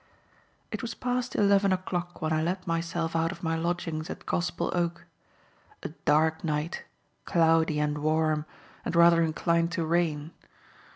It was past eleven o'clock when I let myself out of my lodgings at Gospel Oak; a dark night, cloudy and warm and rather inclined to rain.